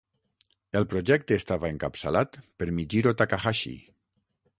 El projecte estava encapçalat per Mijiro Takahashi.